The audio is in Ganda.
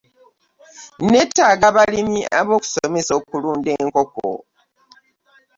Nneetaaga abalimi ab'okusomesa okulunda enkoko.